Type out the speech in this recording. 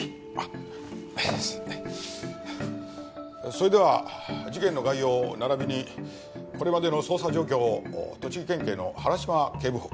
それでは事件の概要並びにこれまでの捜査状況を栃木県警の原島警部補。